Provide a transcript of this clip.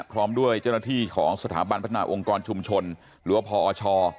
พร้อมด้วยเจ้าหน้าที่ของสถาบันพัฒนาองค์กรชุมชนหรือว่าพอช